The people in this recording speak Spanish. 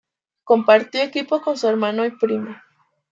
Compartió equipo con su hermano y primo.